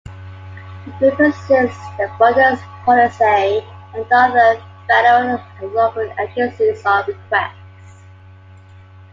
The group assists the "Bundespolizei" and other federal and local agencies on request.